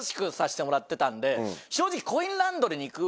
正直。